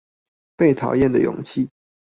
被討厭的勇氣